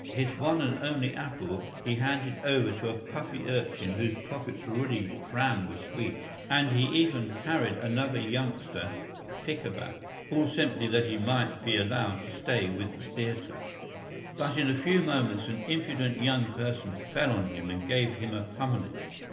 His one and only apple he handed over to a puffy urchin whose pockets were already crammed with sweets, and he even carried another youngster pickaback all simply that he might be allowed to stay with the theatre. But in a few moments an impudent young person fell on him and gave him a pummelling.